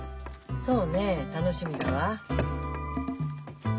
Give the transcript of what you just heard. そうね楽しみだわ。